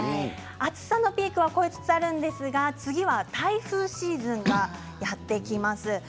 暑さのピークは越えつつあるんですが、次は台風シーズンがやってきます。